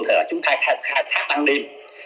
thì chúng ta khai thác ban đêm